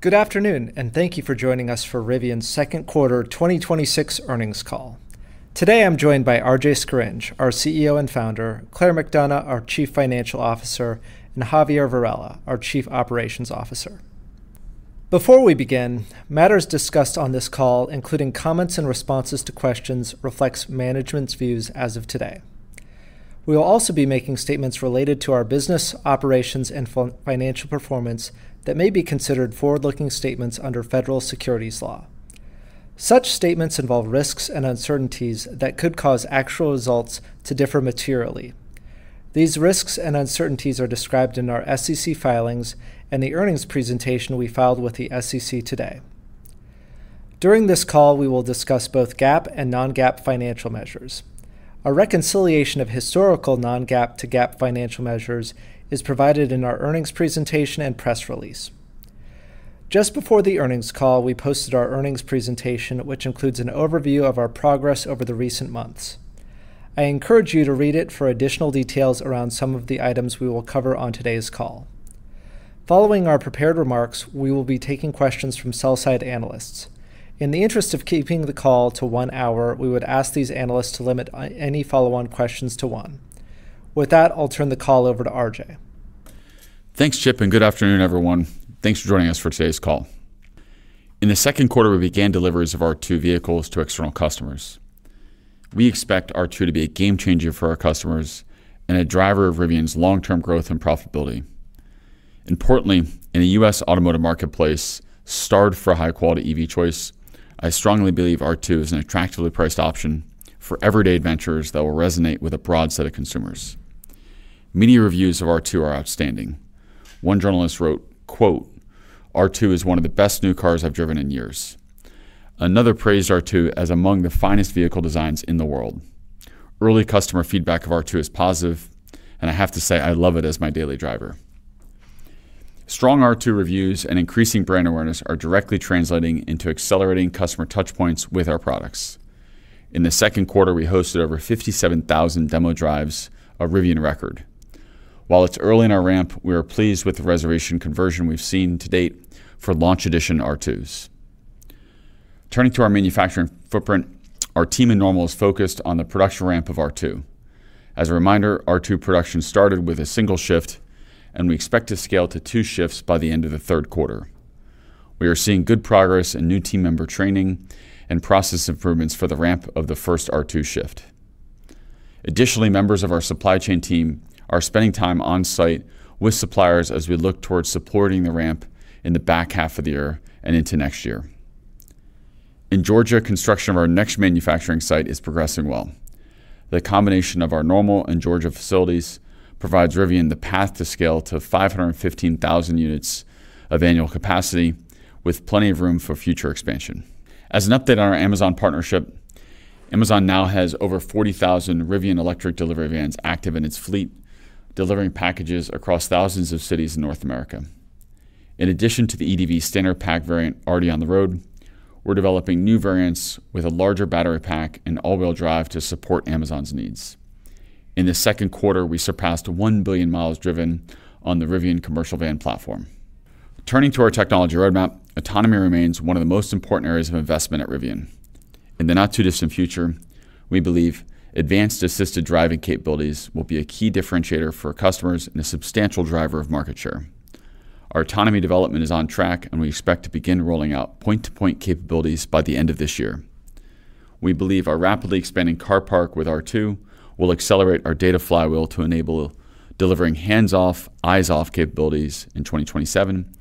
Good afternoon. Thank you for joining us for Rivian's second quarter 2026 earnings call. Today, I'm joined by RJ Scaringe, our CEO and Founder, Claire McDonough, our Chief Financial Officer, and Javier Varela, our Chief Operations Officer. Before we begin, matters discussed on this call, including comments and responses to questions, reflects management's views as of today. We will also be making statements related to our business operations and financial performance that may be considered forward-looking statements under federal securities law. Such statements involve risks and uncertainties that could cause actual results to differ materially. These risks and uncertainties are described in our SEC filings and the earnings presentation we filed with the SEC today. During this call, we will discuss both GAAP and non-GAAP financial measures. A reconciliation of historical non-GAAP to GAAP financial measures is provided in our earnings presentation and press release. Just before the earnings call, we posted our earnings presentation, which includes an overview of our progress over the recent months. I encourage you to read it for additional details around some of the items we will cover on today's call. Following our prepared remarks, we will be taking questions from sell-side analysts. In the interest of keeping the call to one hour, we would ask these analysts to limit any follow-on questions to one. With that, I'll turn the call over to RJ. Thanks, Chip. Good afternoon, everyone. Thanks for joining us for today's call. In the second quarter, we began deliveries of R2 vehicles to external customers. We expect R2 to be a game changer for our customers and a driver of Rivian's long-term growth and profitability. Importantly, in the U.S. automotive marketplace, starved for high-quality EV choice, I strongly believe R2 is an attractively priced option for everyday adventurers that will resonate with a broad set of consumers. Many reviews of R2 are outstanding. One journalist wrote, quote, "R2 is one of the best new cars I've driven in years." Another praised R2 as among the finest vehicle designs in the world. Early customer feedback of R2 is positive, and I have to say, I love it as my daily driver. Strong R2 reviews and increasing brand awareness are directly translating into accelerating customer touchpoints with our products. In the second quarter, we hosted over 57,000 demo drives, a Rivian record. While it's early in our ramp, we are pleased with the reservation conversion we've seen to date for Launch Edition R2s. Turning to our manufacturing footprint, our team in Normal is focused on the production ramp of R2. As a reminder, R2 production started with a single shift, and we expect to scale to two shifts by the end of the third quarter. We are seeing good progress in new team member training and process improvements for the ramp of the first R2 shift. Additionally, members of our supply chain team are spending time on-site with suppliers as we look towards supporting the ramp in the back half of the year and into next year. In Georgia, construction of our next manufacturing site is progressing well. The combination of our Normal and Georgia facilities provides Rivian the path to scale to 515,000 units of annual capacity, with plenty of room for future expansion. As an update on our Amazon partnership, Amazon now has over 40,000 Rivian electric delivery vans active in its fleet, delivering packages across thousands of cities in North America. In addition to the EDV Standard pack variant already on the road, we're developing new variants with a larger battery pack and all-wheel drive to support Amazon's needs. In the second quarter, we surpassed 1 billion miles driven on the Rivian commercial van platform. Turning to our technology roadmap, autonomy remains one of the most important areas of investment at Rivian. In the not-too-distant future, we believe advanced assisted driving capabilities will be a key differentiator for customers and a substantial driver of market share. Our autonomy development is on track, and we expect to begin rolling out point-to-point capabilities by the end of this year. We believe our rapidly expanding car park with R2 will accelerate our data flywheel to enable delivering hands-off, eyes-off capabilities in 2027,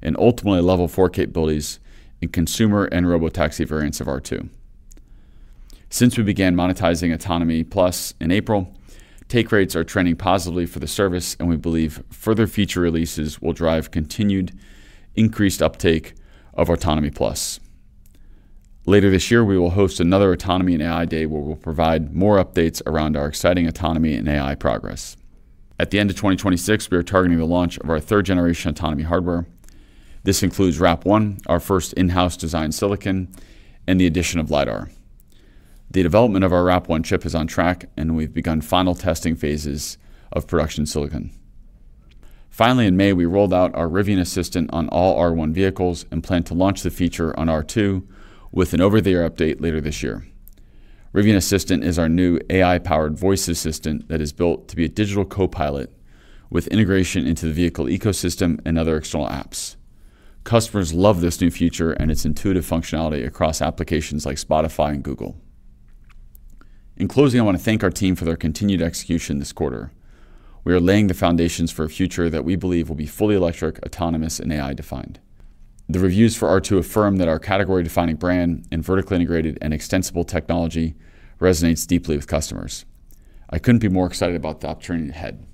and ultimately Level 4 capabilities in consumer and robotaxi variants of R2. Since we began monetizing Autonomy+ in April, take rates are trending positively for the service, and we believe further feature releases will drive continued increased uptake of Autonomy+. Later this year, we will host another Autonomy & AI Day, where we'll provide more updates around our exciting autonomy and AI progress. At the end of 2026, we are targeting the launch of our third-generation autonomy hardware. This includes RAP1, our first in-house design silicon, and the addition of lidar. The development of our RAP1 chip is on track, and we've begun final testing phases of production silicon. Finally, in May, we rolled out our Rivian Assistant on all R1 vehicles and plan to launch the feature on R2 with an over-the-air update later this year. Rivian Assistant is our new AI-powered voice assistant that is built to be a digital co-pilot, with integration into the vehicle ecosystem and other external apps. Customers love this new feature and its intuitive functionality across applications like Spotify and Google. In closing, I want to thank our team for their continued execution this quarter. We are laying the foundations for a future that we believe will be fully electric, autonomous, and AI defined. The reviews for R2 affirm that our category-defining brand and vertically integrated and extensible technology resonates deeply with customers. I couldn't be more excited about the opportunity ahead.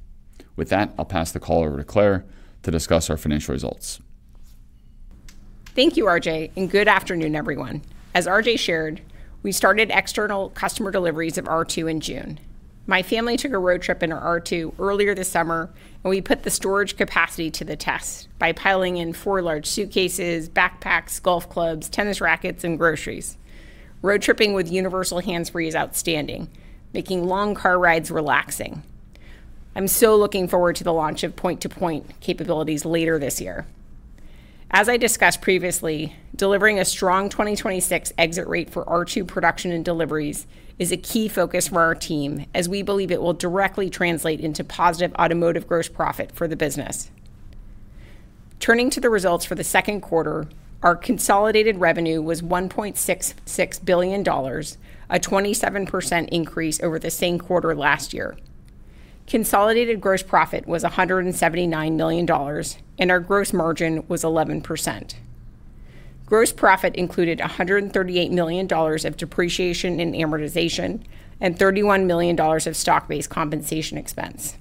With that, I'll pass the call over to Claire to discuss our financial results. Thank you, RJ, and good afternoon, everyone. As RJ shared, we started external customer deliveries of R2 in June. My family took a road trip in our R2 earlier this summer, and we put the storage capacity to the test by piling in four large suitcases, backpacks, golf clubs, tennis rackets, and groceries. Road tripping with Universal Hands-Free is outstanding, making long car rides relaxing. I'm looking forward to the launch of point-to-point capabilities later this year. As I discussed previously, delivering a strong 2026 exit rate for R2 production and deliveries is a key focus for our team, as we believe it will directly translate into positive automotive gross profit for the business. Turning to the results for the second quarter, our consolidated revenue was $1.66 billion, a 27% increase over the same quarter last year. Consolidated gross profit was $179 million, and our gross margin was 11%. Gross profit included $138 million of depreciation and amortization and $31 million of stock-based compensation expense.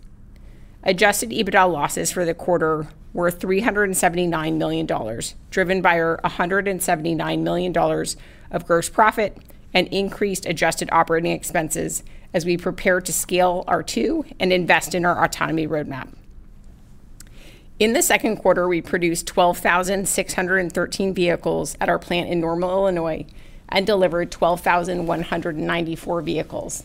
Adjusted EBITDA losses for the quarter were $379 million, driven by our $179 million of gross profit and increased adjusted operating expenses as we prepare to scale R2 and invest in our autonomy roadmap. In the second quarter, we produced 12,613 vehicles at our plant in Normal, Illinois, and delivered 12,194 vehicles.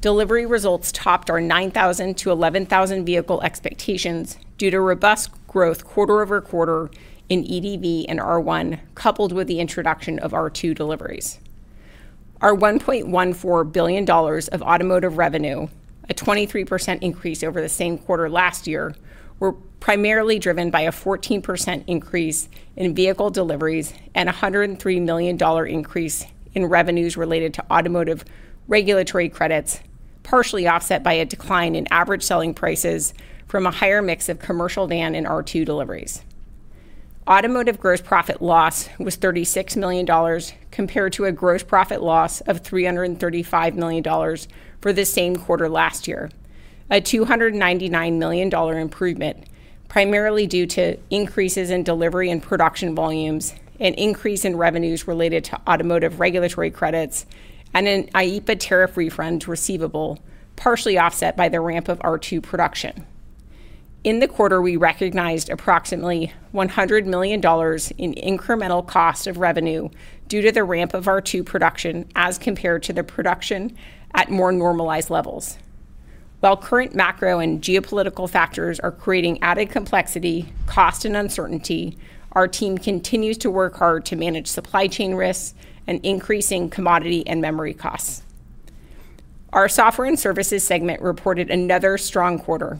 Delivery results topped our 9,000-11,000 vehicle expectations due to robust growth quarter-over-quarter in EDV and R1, coupled with the introduction of R2 deliveries. Our $1.14 billion of automotive revenue, a 23% increase over the same quarter last year, were primarily driven by a 14% increase in vehicle deliveries and a $103 million increase in revenues related to automotive regulatory credits, partially offset by a decline in average selling prices from a higher mix of commercial van and R2 deliveries. Automotive gross profit loss was $36 million, compared to a gross profit loss of $335 million for the same quarter last year, a $299 million improvement, primarily due to increases in delivery and production volumes, an increase in revenues related to automotive regulatory credits, and an IEEPA tariff refund receivable, partially offset by the ramp of R2 production. In the quarter, we recognized approximately $100 million in incremental cost of revenue due to the ramp of R2 production as compared to the production at more normalized levels. Current macro and geopolitical factors are creating added complexity, cost, and uncertainty, our team continues to work hard to manage supply chain risks and increasing commodity and memory costs. Our software and services segment reported another strong quarter.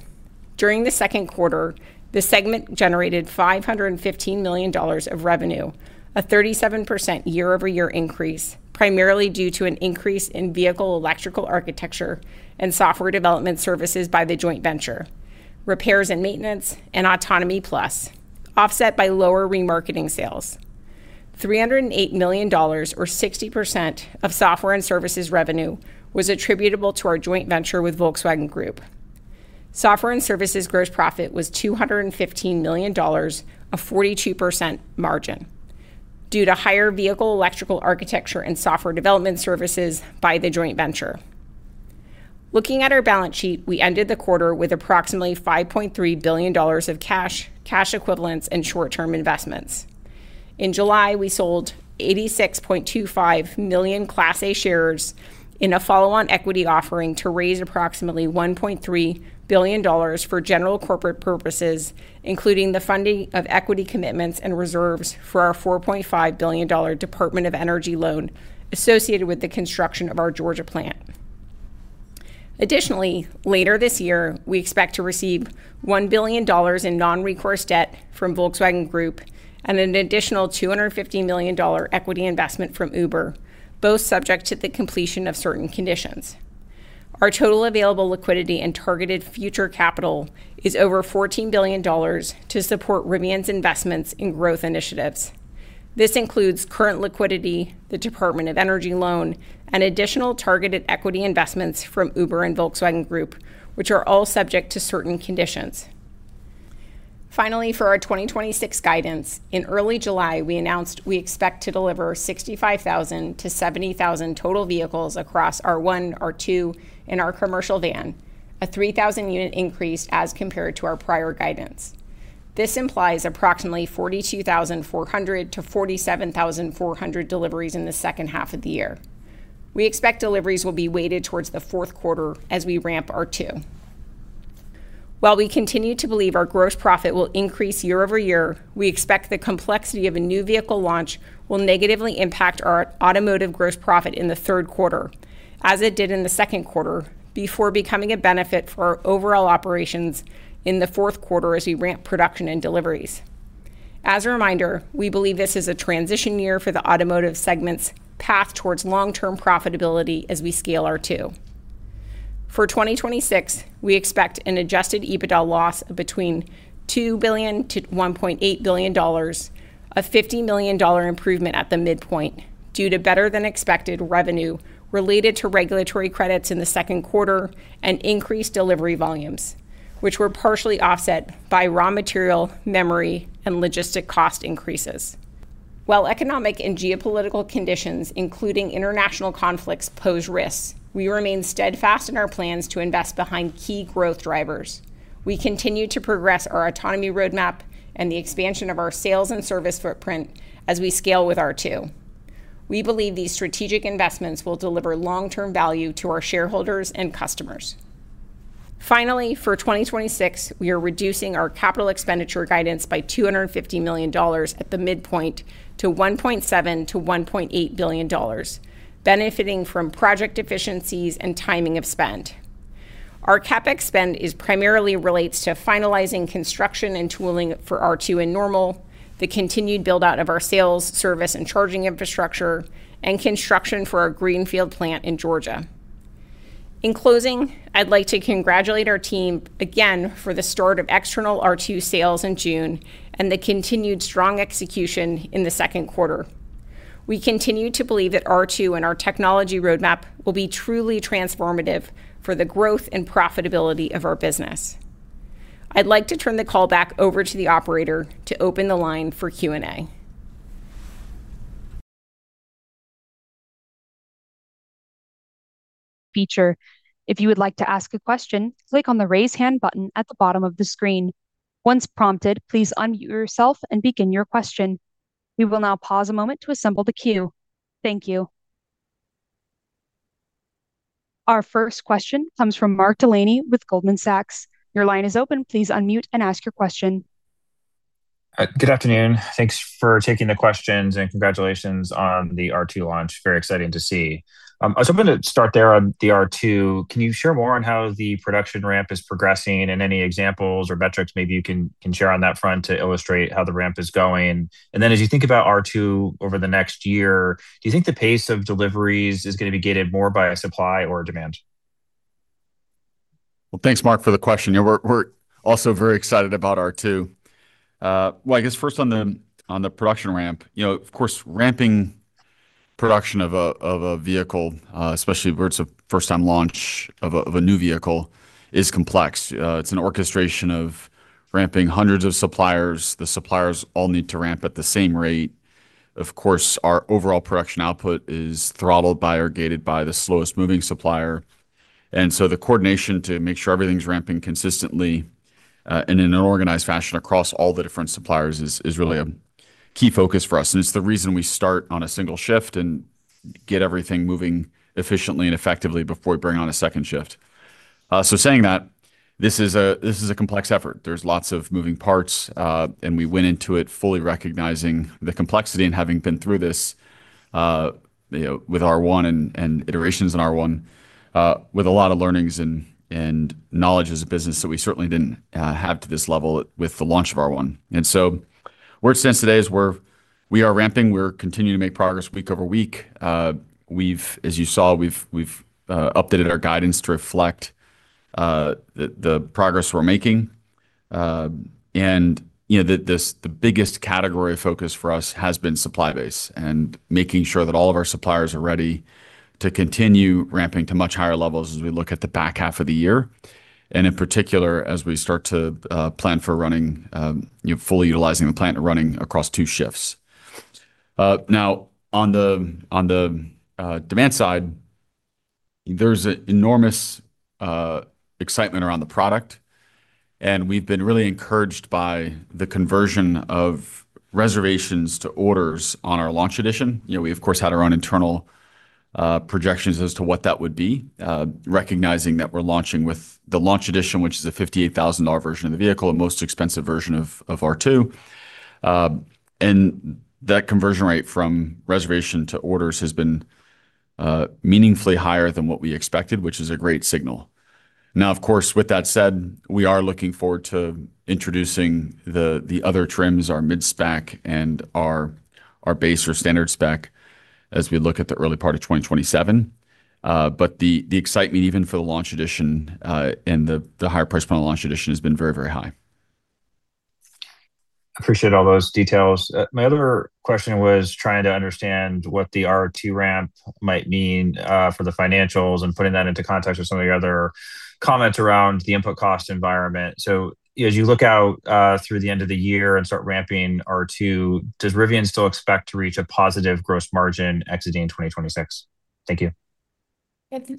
During the second quarter, the segment generated $515 million of revenue, a 37% year-over-year increase, primarily due to an increase in vehicle electrical architecture and software development services by the joint venture, repairs and maintenance, and Autonomy+, offset by lower remarketing sales. $308 million or 60% of software and services revenue was attributable to our joint venture with Volkswagen Group. Software and services gross profit was $215 million, a 42% margin due to higher vehicle electrical architecture and software development services by the joint venture. Looking at our balance sheet, we ended the quarter with approximately $5.3 billion of cash equivalents, and short-term investments. In July, we sold 86.25 million Class A shares in a follow-on equity offering to raise approximately $1.3 billion for general corporate purposes, including the funding of equity commitments and reserves for our $4.5 billion Department of Energy loan associated with the construction of our Georgia plant. Additionally, later this year, we expect to receive $1 billion in non-recourse debt from Volkswagen Group and an additional $250 million equity investment from Uber, both subject to the completion of certain conditions. Our total available liquidity and targeted future capital is over $14 billion to support Rivian's investments in growth initiatives. This includes current liquidity, the Department of Energy loan, and additional targeted equity investments from Uber and Volkswagen Group, which are all subject to certain conditions. Finally, for our 2026 guidance, in early July, we announced we expect to deliver 65,000-70,000 total vehicles across R1, R2, and our commercial van, a 3,000-unit increase as compared to our prior guidance. This implies approximately 42,400-47,400 deliveries in the second half of the year. We expect deliveries will be weighted towards the fourth quarter as we ramp R2. While we continue to believe our gross profit will increase year-over-year, we expect the complexity of a new vehicle launch will negatively impact our automotive gross profit in the third quarter, as it did in the second quarter, before becoming a benefit for our overall operations in the fourth quarter as we ramp production and deliveries. As a reminder, we believe this is a transition year for the automotive segment's path towards long-term profitability as we scale R2. For 2026, we expect an adjusted EBITDA loss of between $2 billion-$1.8 billion, a $50 million improvement at the midpoint, due to better-than-expected revenue related to regulatory credits in the second quarter and increased delivery volumes, which were partially offset by raw material, memory, and logistic cost increases. While economic and geopolitical conditions, including international conflicts, pose risks, we remain steadfast in our plans to invest behind key growth drivers. We continue to progress our autonomy roadmap and the expansion of our sales and service footprint as we scale with R2. We believe these strategic investments will deliver long-term value to our shareholders and customers. Finally, for 2026, we are reducing our capital expenditure guidance by $250 million at the midpoint to $1.7 billion-$1.8 billion, benefiting from project efficiencies and timing of spend. Our CapEx spend primarily relates to finalizing construction and tooling for R2 and Normal, the continued build-out of our sales, service, and charging infrastructure, and construction for our greenfield plant in Georgia. In closing, I'd like to congratulate our team again for the start of external R2 sales in June and the continued strong execution in the second quarter. We continue to believe that R2 and our technology roadmap will be truly transformative for the growth and profitability of our business. I'd like to turn the call back over to the operator to open the line for Q and A. If you would like to ask a question, click on the raise hand button at the bottom of the screen. Once prompted, please unmute yourself and begin your question. We will now pause a moment to assemble the queue. Thank you. Our first question comes from Mark Delaney with Goldman Sachs. Your line is open. Please unmute and ask your question. Good afternoon. Thanks for taking the questions. Congratulations on the R2 launch. Very exciting to see. I was hoping to start there on the R2. Can you share more on how the production ramp is progressing and any examples or metrics maybe you can share on that front to illustrate how the ramp is going? As you think about R2 over the next year, do you think the pace of deliveries is going to be gated more by supply or demand? Well, thanks, Mark, for the question. We're also very excited about R2. Well, I guess first on the production ramp. Of course, ramping production of a vehicle, especially where it's a first-time launch of a new vehicle, is complex. It's an orchestration of ramping hundreds of suppliers. The suppliers all need to ramp at the same rate. Of course, our overall production output is throttled by or gated by the slowest moving supplier. The coordination to make sure everything's ramping consistently and in an organized fashion across all the different suppliers is really a key focus for us, and it's the reason we start on a single shift and get everything moving efficiently and effectively before we bring on a second shift. Saying that, this is a complex effort. There's lots of moving parts. We went into it fully recognizing the complexity and having been through this with R1 and iterations on R1, with a lot of learnings and knowledge as a business that we certainly didn't have to this level with the launch of R1. Where it stands today is we're ramping. We're continuing to make progress week over week. As you saw, we've updated our guidance to reflect the progress we're making. The biggest category of focus for us has been supply base and making sure that all of our suppliers are ready to continue ramping to much higher levels as we look at the back half of the year, and in particular, as we start to plan for running, fully utilizing the plant and running across two shifts. Now, on the demand side, there's enormous excitement around the product. We've been really encouraged by the conversion of reservations to orders on our Launch Edition. We, of course, had our own internal projections as to what that would be, recognizing that we're launching with the Launch Edition, which is a $58,000 version of the vehicle, a most expensive version of R2. That conversion rate from reservation to orders has been meaningfully higher than what we expected, which is a great signal. Now, of course, with that said, we are looking forward to introducing the other trims, our mid-spec and our base or standard spec, as we look at the early part of 2027. The excitement even for the Launch Edition and the higher price point Launch Edition has been very, very high. Appreciate all those details. My other question was trying to understand what the R2 ramp might mean for the financials and putting that into context with some of your other comments around the input cost environment. As you look out through the end of the year and start ramping R2, does Rivian still expect to reach a positive gross margin exiting 2026? Thank you.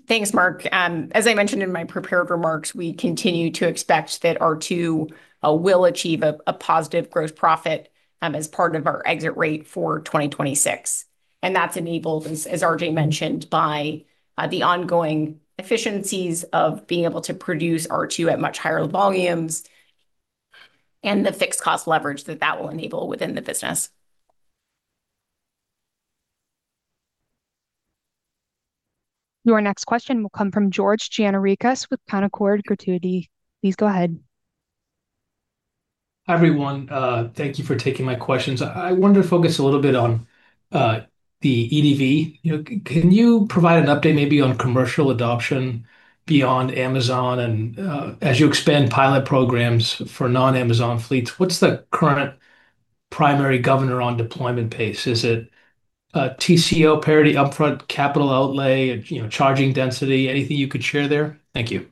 Thanks, Mark. As I mentioned in my prepared remarks, we continue to expect that R2 will achieve a positive gross profit as part of our exit rate for 2026. That's enabled, as RJ mentioned, by the ongoing efficiencies of being able to produce R2 at much higher volumes and the fixed cost leverage that that will enable within the business. Your next question will come from George Gianarikas with Canaccord Genuity. Please go ahead. Hi, everyone. Thank you for taking my questions. I wanted to focus a little bit on the EDV. Can you provide an update maybe on commercial adoption beyond Amazon? As you expand pilot programs for non-Amazon fleets, what's the current primary governor on deployment pace? Is it TCO parity, upfront capital outlay, charging density? Anything you could share there? Thank you.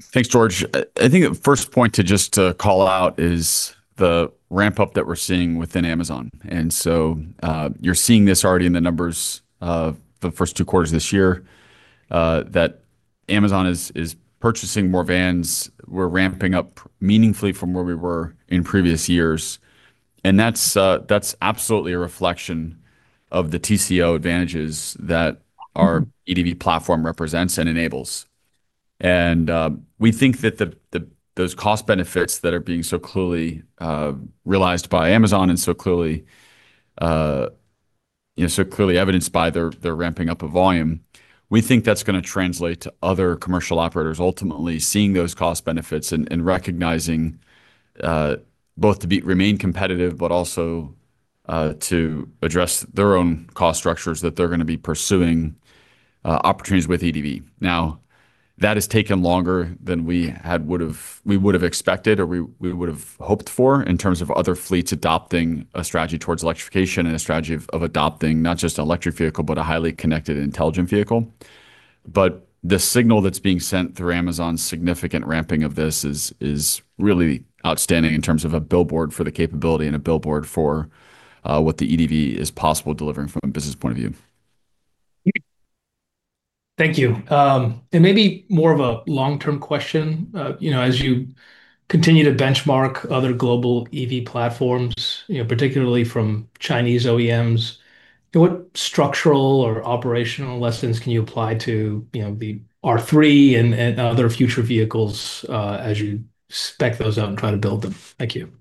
Thanks, George. I think a first point to just to call out is the ramp-up that we're seeing within Amazon. You're seeing this already in the numbers of the first two quarters this year, that Amazon is purchasing more vans. We're ramping up meaningfully from where we were in previous years, and that's absolutely a reflection of the TCO advantages that our EDV platform represents and enables. We think that those cost benefits that are being so clearly realized by Amazon and so clearly evidenced by their ramping up of volume, we think that's going to translate to other commercial operators ultimately seeing those cost benefits and recognizing both to remain competitive, but also to address their own cost structures, that they're going to be pursuing opportunities with EDV. Now, that has taken longer than we would have expected, or we would have hoped for in terms of other fleets adopting a strategy towards electrification and a strategy of adopting not just an electric vehicle, but a highly connected and intelligent vehicle. The signal that's being sent through Amazon's significant ramping of this is really outstanding in terms of a billboard for the capability and a billboard for what the EDV is possible delivering from a business point of view. Thank you. Maybe more of a long-term question. As you continue to benchmark other global EV platforms, particularly from Chinese OEMs, what structural or operational lessons can you apply to the R3 and other future vehicles as you spec those out and try to build them? Thank you.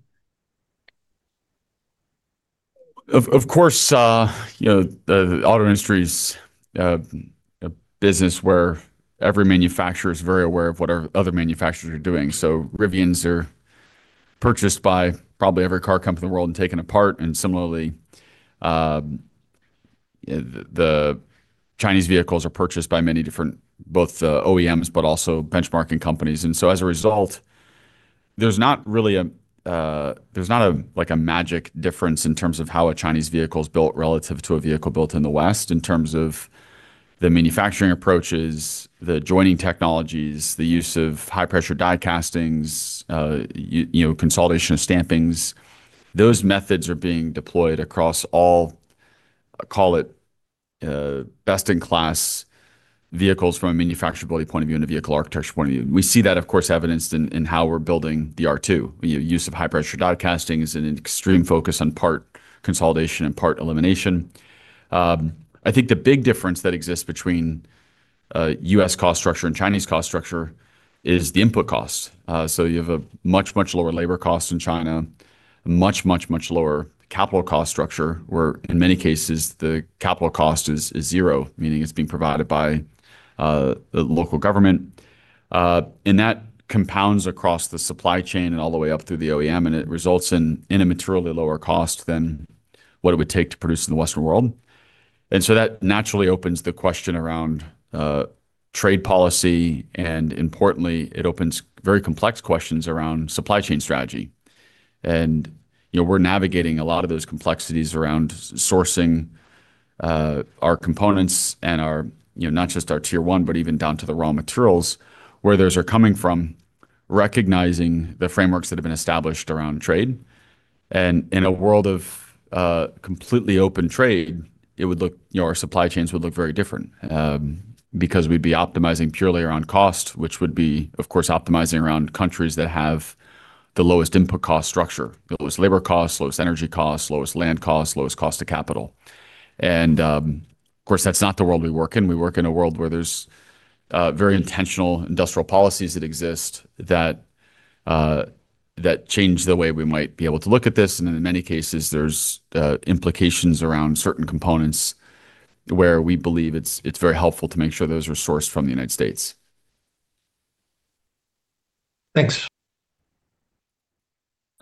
Of course, the auto industry's a business where every manufacturer is very aware of what other manufacturers are doing. Rivians are purchased by probably every car company in the world and taken apart, and similarly, the Chinese vehicles are purchased by many different, both OEMs, but also benchmarking companies. As a result, there's not a magic difference in terms of how a Chinese vehicle is built relative to a vehicle built in the West in terms of the manufacturing approaches, the adjoining technologies, the use of high-pressure die castings, consolidation of stampings. Those methods are being deployed across all, call it, best-in-class vehicles from a manufacturability point of view and a vehicle architecture point of view. We see that, of course, evidenced in how we're building the R2. Use of high-pressure die casting is an extreme focus on part consolidation and part elimination. I think the big difference that exists between U.S. cost structure and Chinese cost structure is the input cost. You have a much, much lower labor cost in China, much, much, much lower capital cost structure, where in many cases, the capital cost is zero, meaning it's being provided by the local government. That compounds across the supply chain and all the way up through the OEM, and it results in a materially lower cost than what it would take to produce in the Western world. That naturally opens the question around trade policy, and importantly, it opens very complex questions around supply chain strategy. We're navigating a lot of those complexities around sourcing our components and not just our tier one, but even down to the raw materials where those are coming from, recognizing the frameworks that have been established around trade. In a world of completely open trade, our supply chains would look very different, because we'd be optimizing purely around cost, which would be, of course, optimizing around countries that have the lowest input cost structure, the lowest labor cost, lowest energy cost, lowest land cost, lowest cost of capital. Of course, that's not the world we work in. We work in a world where there's very intentional industrial policies that exist that change the way we might be able to look at this. In many cases, there's implications around certain components where we believe it's very helpful to make sure those are sourced from the United States. Thanks.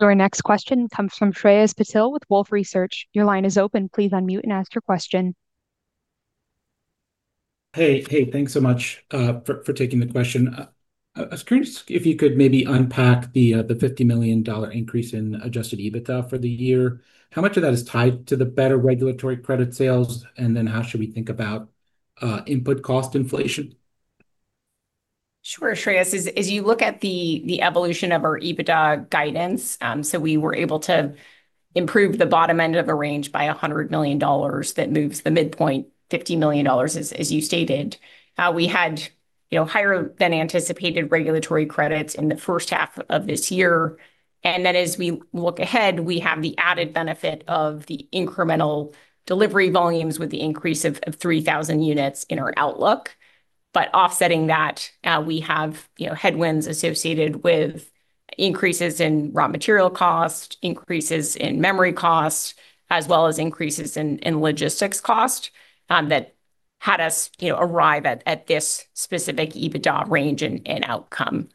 Your next question comes from Shreyas Patil with Wolfe Research. Your line is open. Please unmute and ask your question. Hey. Thanks so much for taking the question. I was curious if you could maybe unpack the $50 million increase in adjusted EBITDA for the year. How much of that is tied to the better regulatory credit sales, how should we think about input cost inflation? Sure, Shreyas. As you look at the evolution of our EBITDA guidance, we were able to improve the bottom end of the range by $100 million. That moves the midpoint $50 million, as you stated. We had higher than anticipated regulatory credits in the first half of this year. As we look ahead, we have the added benefit of the incremental delivery volumes with the increase of 3,000 units in our outlook. Offsetting that, we have headwinds associated with increases in raw material cost, increases in memory cost, as well as increases in logistics cost that had us arrive at this specific EBITDA range and outcome.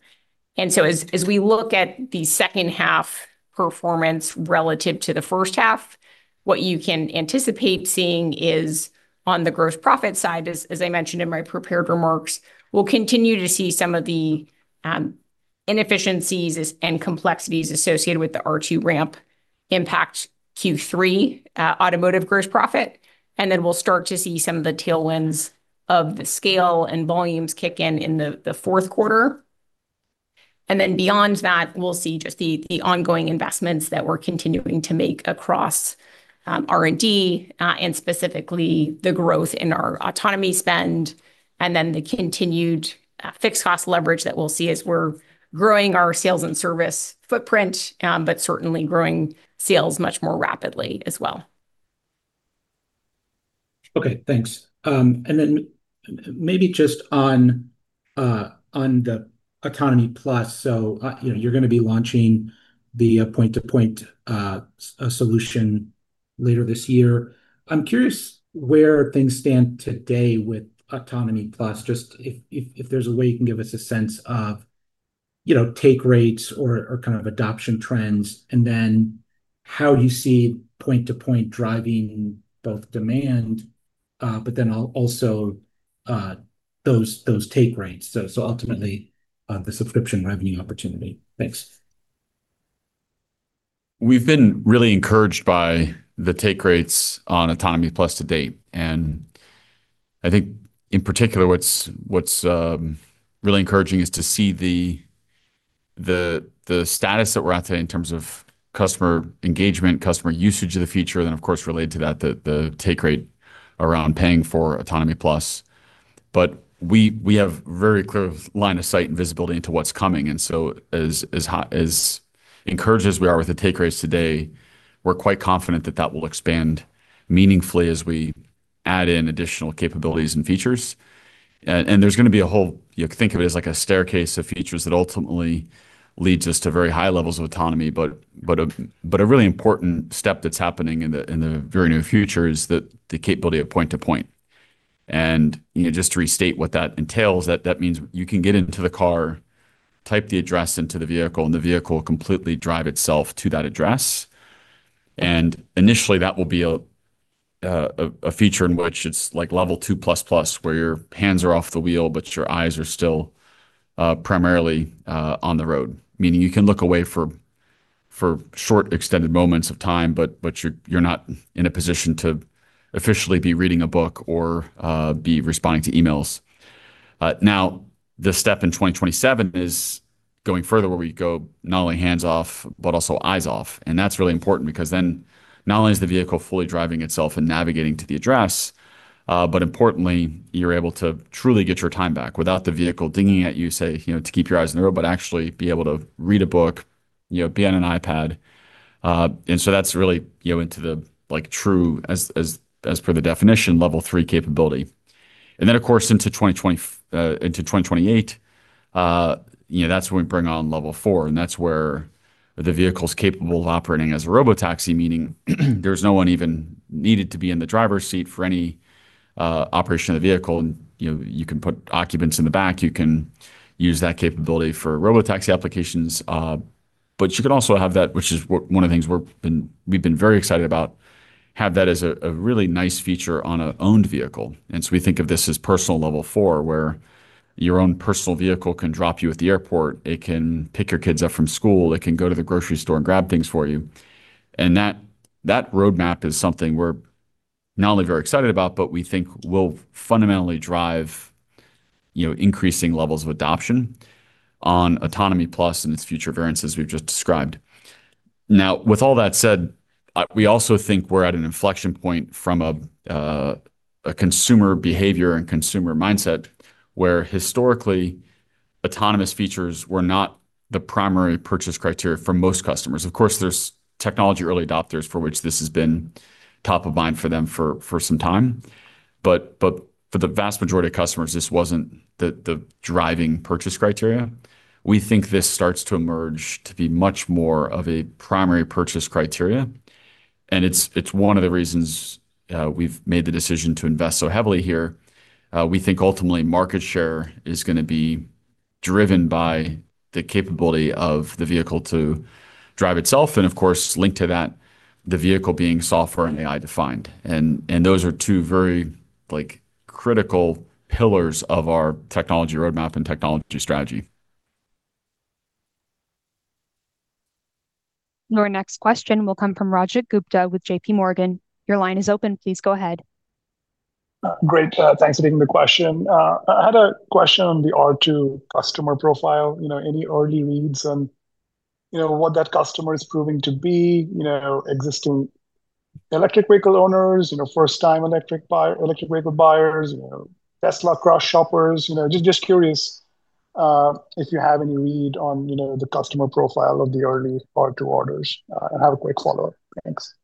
As we look at the second half performance relative to the first half, what you can anticipate seeing is on the gross profit side, as I mentioned in my prepared remarks, we'll continue to see some of the inefficiencies and complexities associated with the R2 ramp impact Q3 automotive gross profit. We'll start to see some of the tailwinds of the scale and volumes kick in in the fourth quarter. Beyond that, we'll see just the ongoing investments that we're continuing to make across R&D, and specifically the growth in our autonomy spend, and the continued fixed cost leverage that we'll see as we're growing our sales and service footprint, but certainly growing sales much more rapidly as well. Okay, thanks. Maybe just on the Autonomy+. You're going to be launching the point-to-point solution later this year. I'm curious where things stand today with Autonomy+, just if there's a way you can give us a sense of take rates or kind of adoption trends. How do you see point-to-point driving both demand, but also those take rates, ultimately, the subscription revenue opportunity. Thanks. We've been really encouraged by the take rates on Autonomy+ to date. I think, in particular, what's really encouraging is to see the status that we're at today in terms of customer engagement, customer usage of the feature, then, of course, related to that, the take rate around paying for Autonomy+. We have very clear line of sight and visibility into what's coming. As encouraged as we are with the take rates today, we're quite confident that that will expand meaningfully as we add in additional capabilities and features. There's going to be a whole, you think of it as like a staircase of features that ultimately leads us to very high levels of autonomy. A really important step that's happening in the very near future is the capability of point to point. Just to restate what that entails, that means you can get into the car, type the address into the vehicle, and the vehicle will completely drive itself to that address. Initially, that will be a feature in which it's like Level 2++, where your hands are off the wheel, but your eyes are still primarily on the road, meaning you can look away for short extended moments of time, but you're not in a position to officially be reading a book or be responding to emails. The step in 2027 is going further where we go not only hands-off, but also eyes-off. That's really important because then not only is the vehicle fully driving itself and navigating to the address, but importantly, you're able to truly get your time back without the vehicle dinging at you, say, to keep your eyes on the road, but actually be able to read a book, be on an iPad. That's really into the true, as per the definition, Level 3 capability. Of course, into 2028, that's when we bring on Level 4, and that's where the vehicle's capable of operating as a robotaxi, meaning there's no one even needed to be in the driver's seat for any operation of the vehicle. You can put occupants in the back. You can use that capability for robotaxi applications. You can also have that, which is one of the things we've been very excited about, have that as a really nice feature on an owned vehicle. We think of this as personal Level 4, where your own personal vehicle can drop you at the airport, it can pick your kids up from school, it can go to the grocery store and grab things for you. That roadmap is something we're not only very excited about, but we think will fundamentally drive increasing levels of adoption on Autonomy+ and its future variants as we've just described. With all that said, we also think we're at an inflection point from a consumer behavior and consumer mindset where historically, autonomous features were not the primary purchase criteria for most customers. Of course, there's technology early adopters for which this has been top of mind for them for some time. For the vast majority of customers, this wasn't the driving purchase criteria. We think this starts to emerge to be much more of a primary purchase criteria, and it's one of the reasons we've made the decision to invest so heavily here. We think ultimately market share is going to be driven by the capability of the vehicle to drive itself and, of course, linked to that, the vehicle being software and AI-defined. Those are two very critical pillars of our technology roadmap and technology strategy. Your next question will come from Rajat Gupta with JPMorgan. Your line is open. Please go ahead. Great. Thanks for taking the question. I had a question on the R2 customer profile. Any early reads on what that customer is proving to be, existing electric vehicle owners, first-time electric vehicle buyers, Tesla cross-shoppers? Just curious if you have any read on the customer profile of the early R2 orders. I have a quick follow-up. Thanks.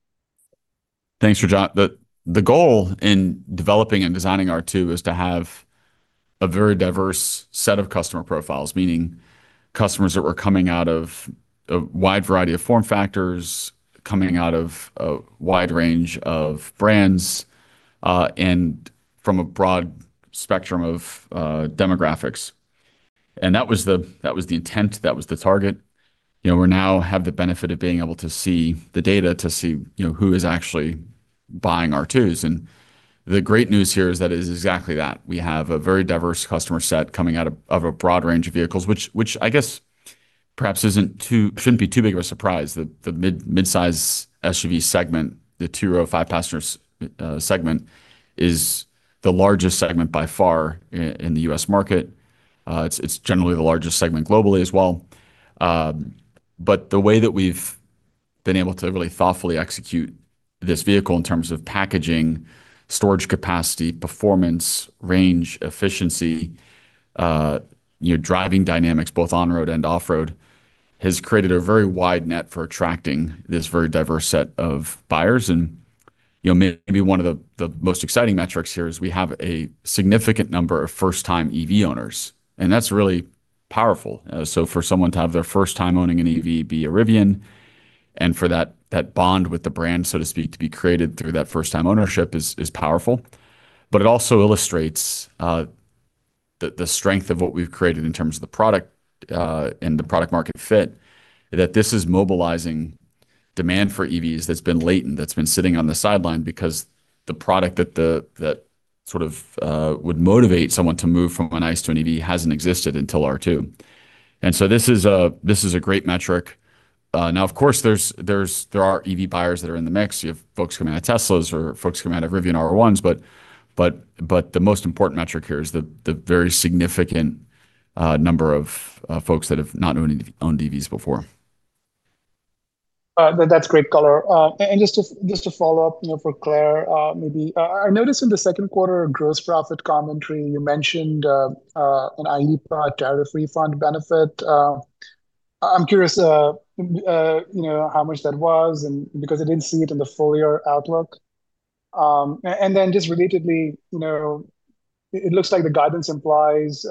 Thanks, Rajat. The goal in developing and designing R2 is to have a very diverse set of customer profiles, meaning customers that were coming out of a wide variety of form factors, coming out of a wide range of brands, and from a broad spectrum of demographics. That was the intent, that was the target. We now have the benefit of being able to see the data to see who is actually buying R2s. The great news here is that it is exactly that. We have a very diverse customer set coming out of a broad range of vehicles, which I guess perhaps shouldn't be too big of a surprise that the mid-size SUV segment, the two-row five-passenger segment is the largest segment by far in the U.S. market. It's generally the largest segment globally as well. The way that we've been able to really thoughtfully execute this vehicle in terms of packaging, storage capacity, performance, range, efficiency, driving dynamics, both on-road and off-road, has created a very wide net for attracting this very diverse set of buyers. Maybe one of the most exciting metrics here is we have a significant number of first-time EV owners. That's really powerful. For someone to have their first time owning an EV be a Rivian, for that bond with the brand, so to speak, to be created through that first-time ownership is powerful. It also illustrates the strength of what we've created in terms of the product, and the product market fit, that this is mobilizing demand for EVs that's been latent, that's been sitting on the sideline because the product that sort of would motivate someone to move from an ICE to an EV hasn't existed until R2. This is a great metric. Now, of course, there are EV buyers that are in the mix. You have folks coming out of Teslas or folks coming out of Rivian R1s. The most important metric here is the very significant number of folks that have not owned EVs before. That's great color. Just to follow up, for Claire, maybe. I noticed in the second quarter gross profit commentary, you mentioned an IEEPA tariff refund benefit. I'm curious how much that was because I didn't see it in the full-year outlook. Just relatedly, it looks like the guidance implies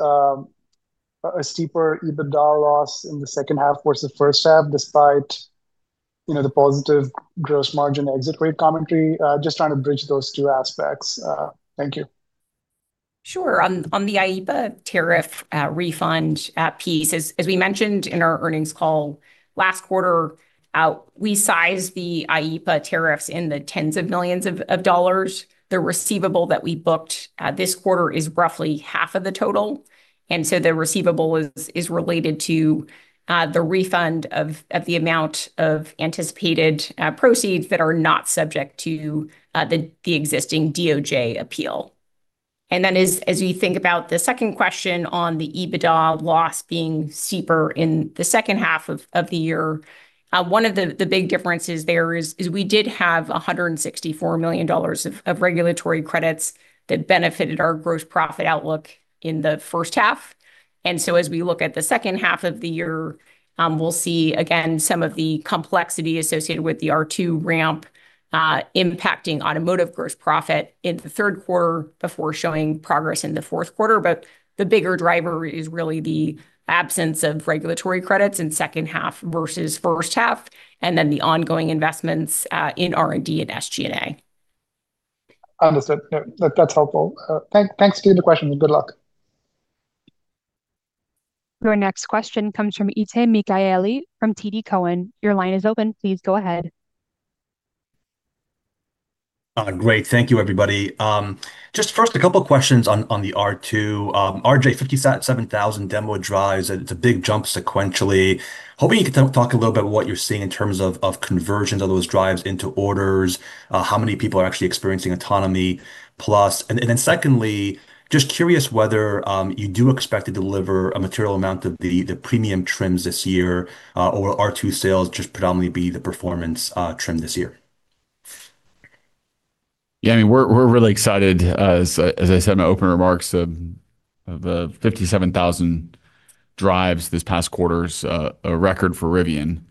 a steeper EBITDA loss in the second half versus first half, despite the positive gross margin exit rate commentary. Just trying to bridge those two aspects. Thank you. Sure. On the IEEPA tariff refund piece, as we mentioned in our earnings call, last quarter, we sized the IEEPA tariffs in the tens of millions of dollars. The receivable that we booked this quarter is roughly half of the total. The receivable is related to the refund of the amount of anticipated proceeds that are not subject to the existing DOJ appeal. As we think about the second question on the EBITDA loss being steeper in the second half of the year, one of the big differences there is we did have $164 million of regulatory credits that benefited our gross profit outlook in the first half. As we look at the second half of the year, we'll see, again, some of the complexity associated with the R2 ramp impacting automotive gross profit in the third quarter before showing progress in the fourth quarter. The bigger driver is really the absence of regulatory credits in second half versus first half, and then the ongoing investments in R&D and SG&A. Understood. No, that's helpful. Thanks to you the question and good luck. Your next question comes from Itay Michaeli from TD Cowen. Your line is open. Please go ahead. Great. Thank you, everybody. First, a couple questions on the R2. RJ, 57,000 demo drives, it's a big jump sequentially. Hoping you could talk a little bit what you're seeing in terms of conversions of those drives into orders. How many people are actually experiencing Autonomy+? Secondly, curious whether you do expect to deliver a material amount of the premium trims this year, or will R2 sales predominantly be the performance trim this year? We're really excited. As I said in my opening remarks, the 57,000 drives this past quarter is a record for Rivian.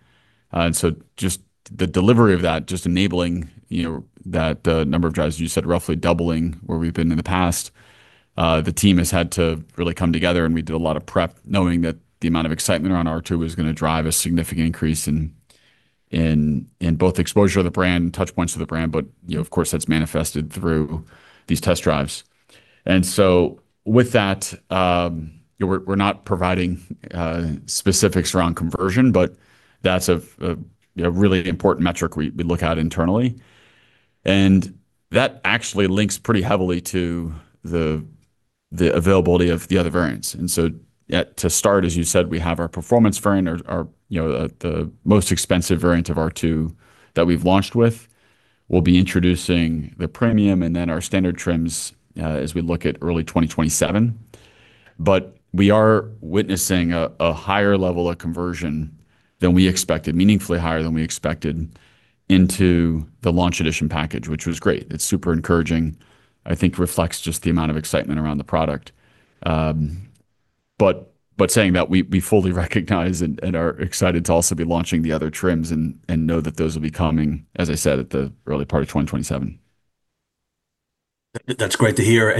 The delivery of that, enabling that number of drives, as you said, roughly doubling where we've been in the past. The team has had to really come together, we did a lot of prep knowing that the amount of excitement around R2 was going to drive a significant increase in both exposure to the brand, touchpoints to the brand. Of course, that's manifested through these test drives. With that, we're not providing specifics around conversion, but that's a really important metric we look at internally. That actually links pretty heavily to the availability of the other variants. To start, as you said, we have our performance variant, the most expensive variant of R2 that we've launched with. We'll be introducing the premium and our standard trims, as we look at early 2027. We are witnessing a higher level of conversion than we expected, meaningfully higher than we expected into the Launch Edition package, which was great. It's super encouraging. I think reflects the amount of excitement around the product. Saying that, we fully recognize are excited to also be launching the other trims know that those will be coming, as I said, at the early part of 2027. That's great to hear.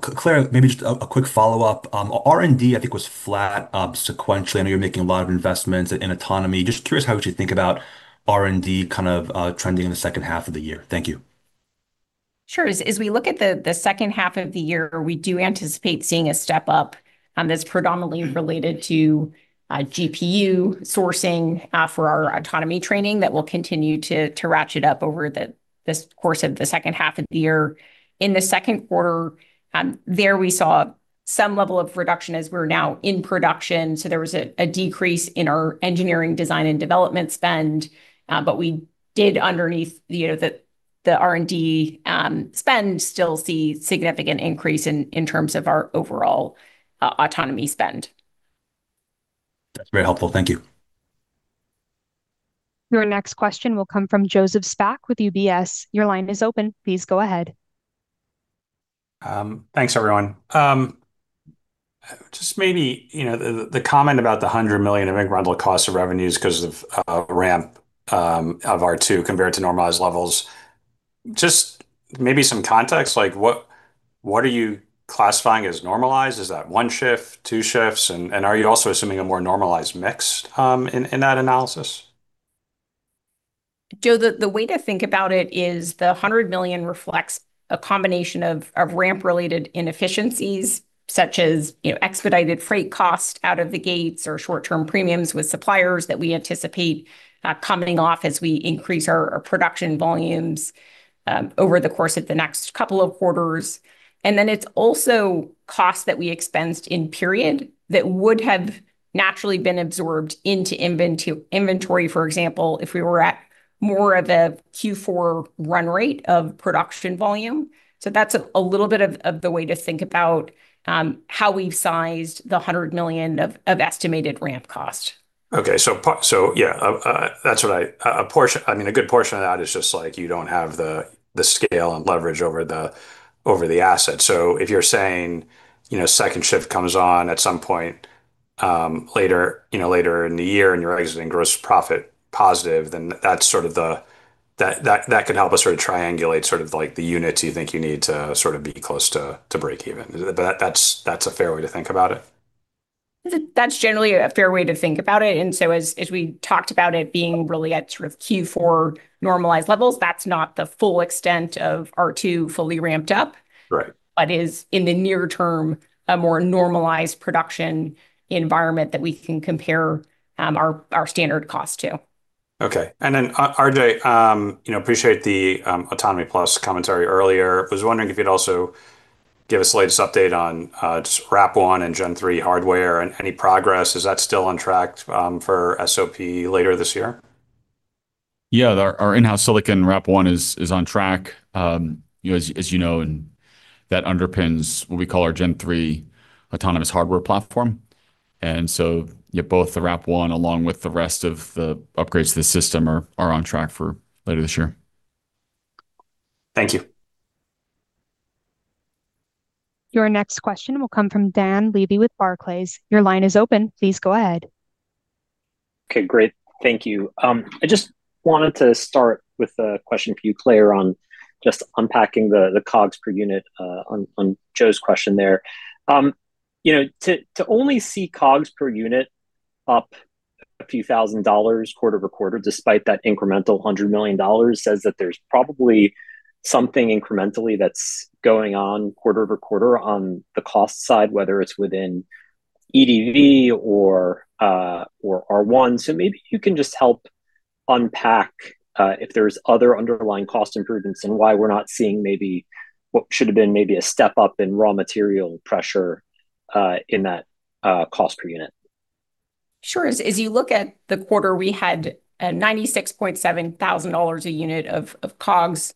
Claire, maybe a quick follow-up. R&D, I think, was flat sequentially. I know you're making a lot of investments in autonomy. Curious how would you think about R&D kind of trending in the second half of the year. Thank you. Sure. As we look at the second half of the year, we do anticipate seeing a step-up that's predominantly related to GPU sourcing for our autonomy training that will continue to ratchet up over the course of the second half of the year. In the second quarter, there we saw some level of reduction as we're now in production, so there was a decrease in our engineering design and development spend. We did, underneath the R&D spend, still see significant increase in terms of our overall autonomy spend. That's very helpful. Thank you. Your next question will come from Joseph Spak with UBS. Your line is open. Please go ahead. Thanks, everyone. Just maybe, the comment about the $100 million in incremental cost of revenues because of ramp of R2 compared to normalized levels. Just maybe some context, what are you classifying as normalized? Is that one shift, two shifts, and are you also assuming a more normalized mix in that analysis? Joe, the way to think about it is the $100 million reflects a combination of ramp-related inefficiencies such as expedited freight cost out of the gates or short-term premiums with suppliers that we anticipate coming off as we increase our production volumes over the course of the next couple of quarters. It's also cost that we expensed in period that would have naturally been absorbed into inventory, for example, if we were at more of a Q4 run rate of production volume. That's a little bit of the way to think about how we've sized the $100 million of estimated ramp cost. Okay. Yeah. A good portion of that is just, you don't have the scale and leverage over the asset. If you're saying, second shift comes on at some point later in the year and you're exiting gross profit positive, then that could help us sort of triangulate the units you think you need to be close to break even. That's a fair way to think about it? That's generally a fair way to think about it. As we talked about it being really at sort of Q4 normalized levels, that's not the full extent of R2 fully ramped up. Right. Is, in the near term, a more normalized production environment that we can compare our standard cost to. Okay. Then, RJ, appreciate the Autonomy+ commentary earlier. Was wondering if you'd also give us the latest update on just RAP1 and Gen 3 hardware and any progress. Is that still on track for SOP later this year? Yeah, our in-house silicon RAP1 is on track. As you know, that underpins what we call our Gen 3 autonomous hardware platform. Yeah, both the RAP1 along with the rest of the upgrades to the system are on track for later this year. Thank you. Your next question will come from Dan Levy with Barclays. Your line is open. Please go ahead. Okay, great. Thank you. I just wanted to start with a question for you, Claire, on just unpacking the COGS per unit, on Joe's question there. To only see COGS per unit up a few thousand dollars quarter-over-quarter, despite that incremental $100 million, says that there's probably something incrementally that's going on quarter-over-quarter on the cost side, whether it's within EDV or R1. Maybe you can just help unpack if there's other underlying cost improvements and why we're not seeing maybe what should've been maybe a step up in raw material pressure in that cost per unit. Sure. As you look at the quarter, we had a $96,700 a unit of COGS.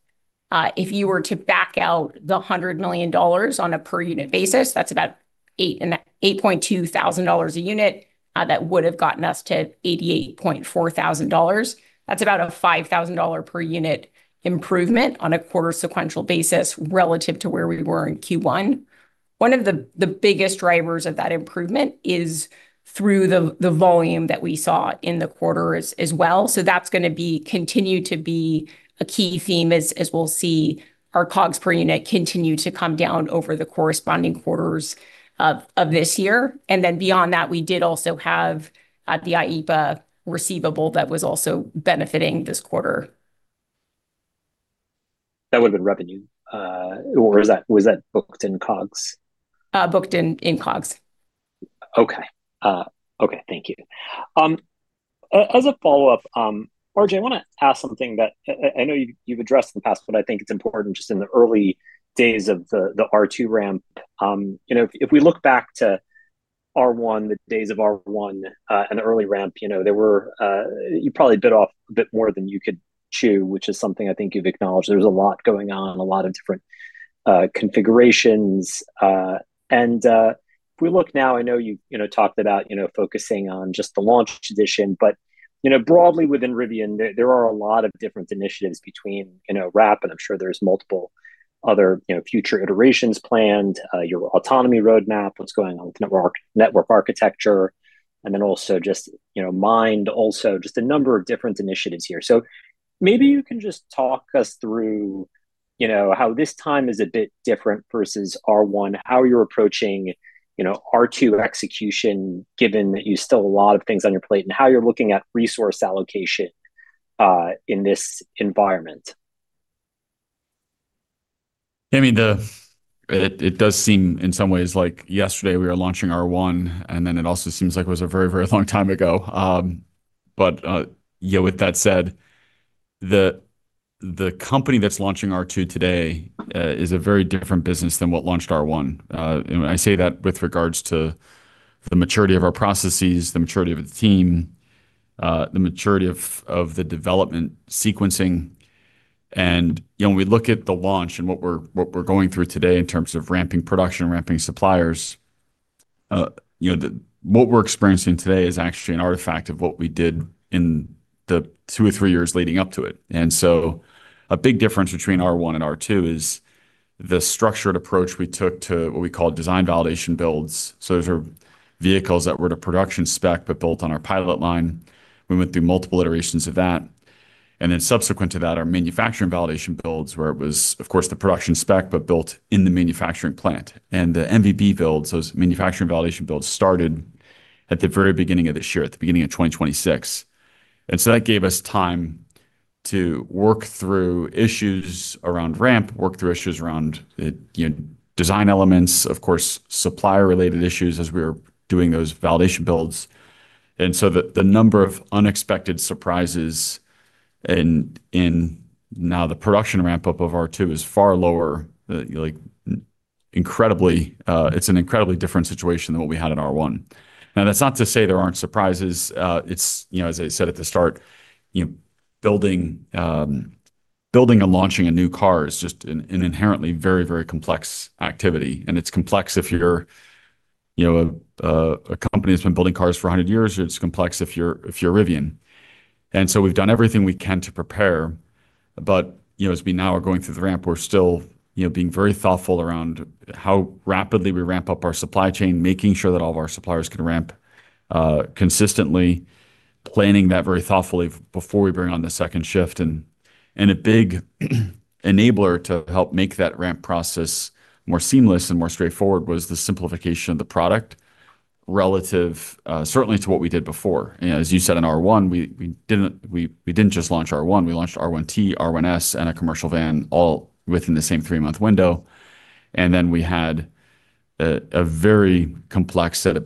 If you were to back out the $100 million on a per-unit basis, that's about $8,200 a unit. That would've gotten us to $88,400. That's about a $5,000 per unit improvement on a quarter-sequential basis relative to where we were in Q1. One of the biggest drivers of that improvement is through the volume that we saw in the quarter as well. That's going to continue to be a key theme as we'll see our COGS per unit continue to come down over the corresponding quarters of this year. Beyond that, we did also have the IEEPA receivable that was also benefiting this quarter. That would've been revenue. Was that booked in COGS? Booked in COGS. Okay. Thank you. As a follow-up, RJ, I want to ask something that I know you've addressed in the past, but I think it's important just in the early days of the R2 ramp. If we look back to R1, the days of R1, and the early ramp, you probably bit off a bit more than you could chew, which is something I think you've acknowledged. There was a lot going on, a lot of different configurations. If we look now, I know you talked about focusing on just the Launch Edition, but broadly within Rivian, there are a lot of different initiatives between in a wrap, I'm sure there's multiple other future iterations planned. Your autonomy roadmap, what's going on with network architecture, then also just mind, also just a number of different initiatives here. Maybe you can just talk us through how this time is a bit different versus R1, how you're approaching R2 execution, given that you still a lot of things on your plate, and how you're looking at resource allocation in this environment. It does seem, in some ways, like yesterday we were launching R1, then it also seems like it was a very long time ago. With that said, the company that's launching R2 today is a very different business than what launched R1. I say that with regards to the maturity of our processes, the maturity of the team, the maturity of the development sequencing. When we look at the launch and what we're going through today in terms of ramping production, ramping suppliers, what we're experiencing today is actually an artifact of what we did in the two or three years leading up to it. A big difference between R1 and R2 is the structured approach we took to what we call design validation builds. Those are vehicles that were to production spec but built on our pilot line. We went through multiple iterations of that. Then subsequent to that are manufacturing validation builds, where it was, of course, the production spec, but built in the manufacturing plant. The MVB builds, those manufacturing validation builds, started at the very beginning of this year, at the beginning of 2026. That gave us time to work through issues around ramp, work through issues around design elements, of course, supplier-related issues as we were doing those validation builds. The number of unexpected surprises in now the production ramp-up of R2 is far lower. It's an incredibly different situation than what we had in R1. Now, that's not to say there aren't surprises. As I said at the start, building and launching a new car is just an inherently very complex activity. It's complex if you're a company that's been building cars for 100 years, or it's complex if you're Rivian. We've done everything we can to prepare. As we now are going through the ramp, we're still being very thoughtful around how rapidly we ramp up our supply chain, making sure that all of our suppliers can ramp consistently, planning that very thoughtfully before we bring on the second shift. A big enabler to help make that ramp process more seamless and more straightforward was the simplification of the product relative, certainly to what we did before. As you said, in R1, we didn't just launch R1, we launched R1T, R1S, and a commercial van all within the same three-month window. We had a very complex set of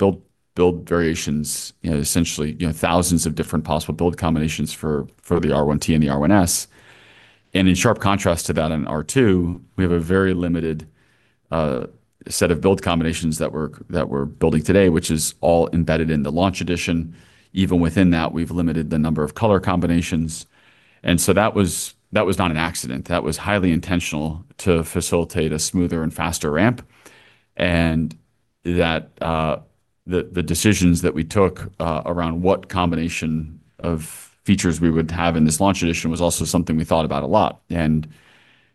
build variations, essentially, thousands of different possible build combinations for the R1T and the R1S. In sharp contrast to that in R2, we have a very limited set of build combinations that we're building today, which is all embedded in the Launch Edition. Even within that, we've limited the number of color combinations. That was not an accident. That was highly intentional to facilitate a smoother and faster ramp. The decisions that we took around what combination of features we would have in this Launch Edition was also something we thought about a lot.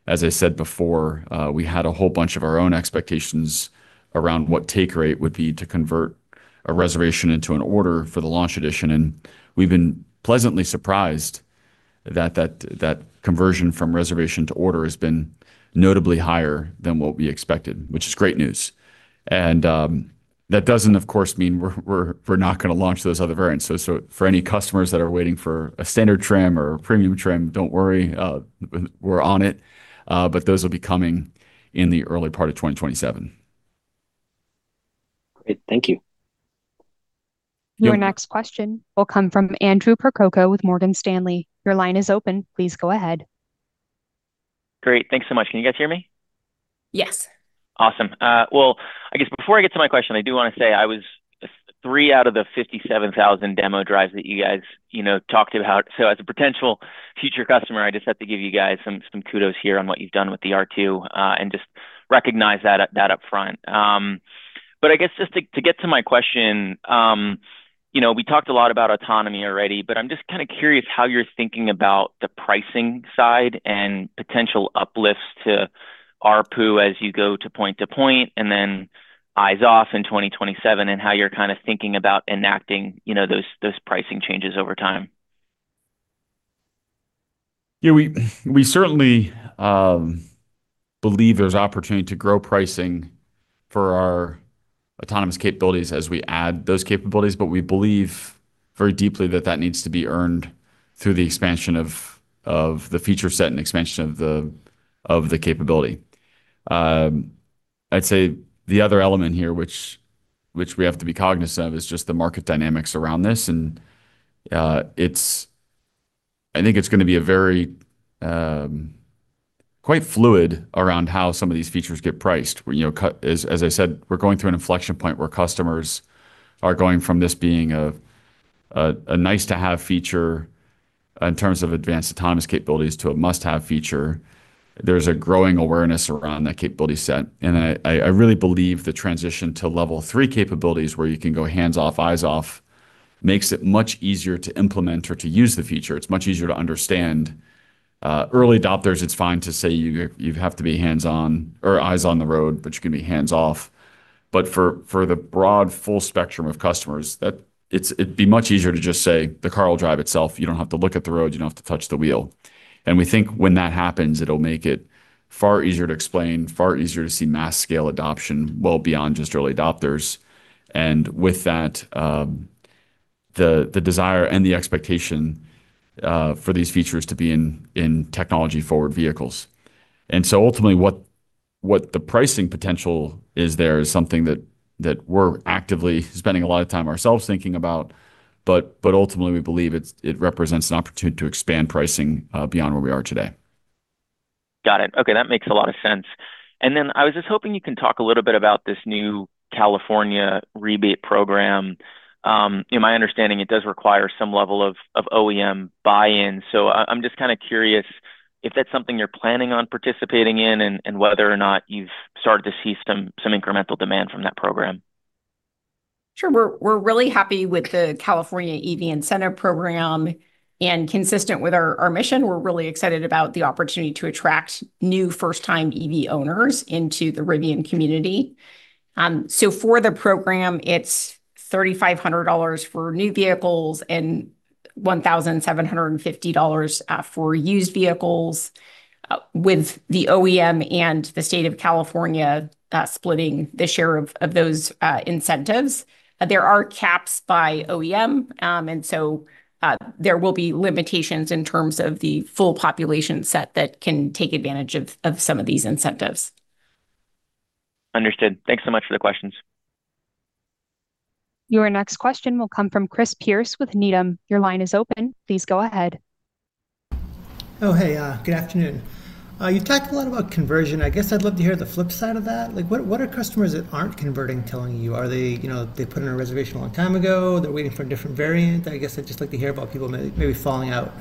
As I said before, we had a whole bunch of our own expectations around what take rate would be to convert a reservation into an order for the Launch Edition. We've been pleasantly surprised that that conversion from reservation to order has been notably higher than what we expected, which is great news. That doesn't, of course, mean we're not going to launch those other variants. For any customers that are waiting for a standard trim or a premium trim, don't worry. We're on it. Those will be coming in the early part of 2027. Great. Thank you. Your next question will come from Andrew Percoco with Morgan Stanley. Your line is open. Please go ahead. Great. Thanks so much. Can you guys hear me? Yes. Awesome. I guess before I get to my question, I do want to say I was three out of the 57,000 demo drives that you guys talked about. As a potential future customer, I just have to give you guys some kudos here on what you've done with the R2, and just recognize that up front. I guess just to get to my question, we talked a lot about autonomy already, but I'm just curious how you're thinking about the pricing side and potential uplifts to ARPU as you go to point to point, and then eyes off in 2027, and how you're thinking about enacting those pricing changes over time. Yeah. We certainly believe there's opportunity to grow pricing for our autonomous capabilities as we add those capabilities. We believe very deeply that that needs to be earned through the expansion of the feature set and expansion of the capability. I'd say the other element here, which we have to be cognizant of, is just the market dynamics around this. I think it's going to be quite fluid around how some of these features get priced. As I said, we're going through an inflection point where customers are going from this being a nice-to-have feature in terms of advanced autonomous capabilities to a must-have feature. There's a growing awareness around that capability set, and I really believe the transition to Level 3 capabilities where you can go hands off, eyes off, makes it much easier to implement or to use the feature. It's much easier to understand. Early adopters, it's fine to say you have to be hands-on or eyes on the road, but you can be hands off. For the broad, full spectrum of customers, it'd be much easier to just say, "The car will drive itself. You don't have to look at the road. You don't have to touch the wheel." We think when that happens, it'll make it far easier to explain, far easier to see mass scale adoption well beyond just early adopters. With that, the desire and the expectation for these features to be in technology-forward vehicles. Ultimately, what the pricing potential is there is something that we're actively spending a lot of time ourselves thinking about. Ultimately, we believe it represents an opportunity to expand pricing beyond where we are today. Got it. Okay. That makes a lot of sense. I was just hoping you can talk a little bit about this new California rebate program. In my understanding, it does require some level of OEM buy-in. I'm just curious if that's something you're planning on participating in and whether or not you've started to see some incremental demand from that program. Sure. We're really happy with the California EV incentive program. Consistent with our mission, we're really excited about the opportunity to attract new first-time EV owners into the Rivian community. For the program, it's $3,500 for new vehicles and $1,750 for used vehicles, with the OEM and the state of California splitting the share of those incentives. There are caps by OEM. There will be limitations in terms of the full population set that can take advantage of some of these incentives. Understood. Thanks so much for the questions. Your next question will come from Chris Pierce with Needham. Your line is open. Please go ahead. Oh, hey. Good afternoon. You've talked a lot about conversion. I guess I'd love to hear the flip side of that. What are customers that aren't converting telling you? Are they put in a reservation a long time ago? They're waiting for a different variant? I guess I'd just like to hear about people maybe falling out.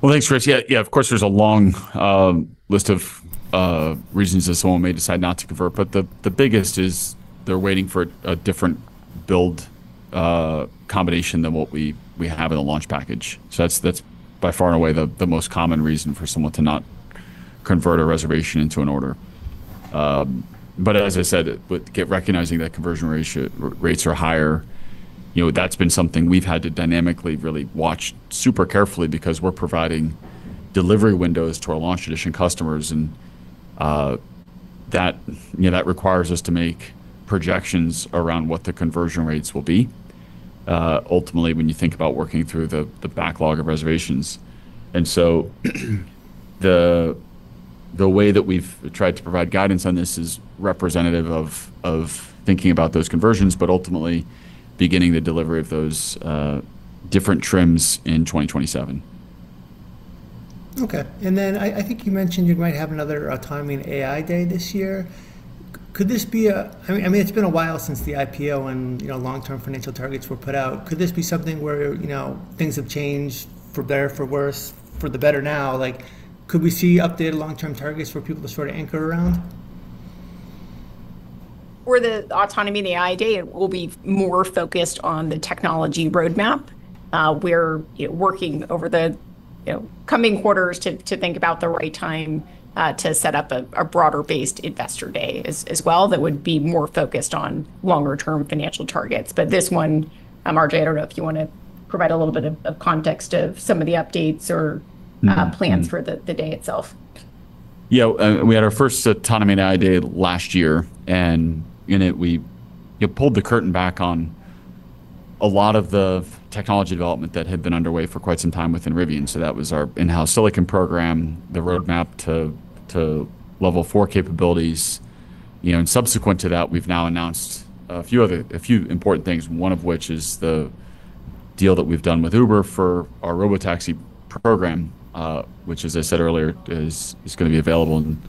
Well, thanks, Chris. Yeah, of course, there's a long list of reasons that someone may decide not to convert. The biggest is they're waiting for a different build combination than what we have in the Launch Edition package. That's by far and away the most common reason for someone to not convert a reservation into an order. As I said, recognizing that conversion rates are higher, that's been something we've had to dynamically really watch super carefully because we're providing delivery windows to our Launch Edition customers. That requires us to make projections around what the conversion rates will be, ultimately, when you think about working through the backlog of reservations. The way that we've tried to provide guidance on this is representative of thinking about those conversions, but ultimately beginning the delivery of those different trims in 2027. Okay. I think you mentioned you might have another Autonomy & AI Day this year. It's been a while since the IPO and long-term financial targets were put out. Could this be something where things have changed for better or for worse, for the better now? Could we see updated long-term targets for people to anchor around? For the Autonomy & AI Day, it will be more focused on the technology roadmap. We're working over the coming quarters to think about the right time to set up a broader-based Investor Day as well, that would be more focused on longer-term financial targets. This one, RJ, I don't know if you want to provide a little bit of context of some of the updates or plans for the day itself. Yeah. We had our first Autonomy & AI Day last year. In it, we pulled the curtain back on a lot of the technology development that had been underway for quite some time within Rivian. That was our in-house silicon program, the roadmap to Level 4 capabilities. Subsequent to that, we've now announced a few important things, one of which is the deal that we've done with Uber for our robotaxi program, which as I said earlier, is going to be available, and